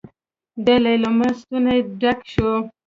د ليلما ستونی ډک شو.